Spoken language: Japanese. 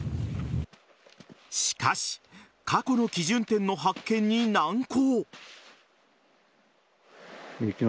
しかし過去の基準点の発見に難航。